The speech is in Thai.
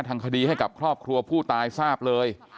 ทางคดีให้กับครอบครัวผู้ตายทราบเลย